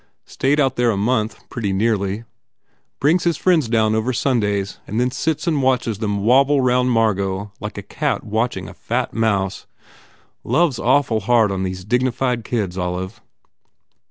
Stayed out there a month, pretty nearly. Brings his friends down over Sundays and then sits and watches them wobble round Margot like a cat watching a fat mouse. Love s awful hard on these dignified kids, Olive."